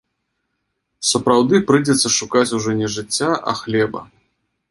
Сапраўды прыйдзецца шукаць ужо не жыцця, а хлеба.